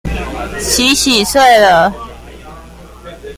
洗洗睡了